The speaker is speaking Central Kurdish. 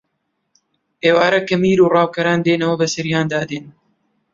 ئێوارە کە میر و ڕاوکەران دێنەوە بەسەریاندا دێن